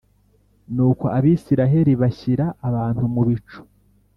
Nuko Abisirayeli bashyira abantu mu bico